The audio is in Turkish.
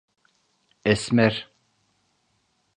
Esmer.